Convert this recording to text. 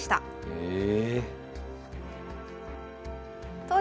へえ。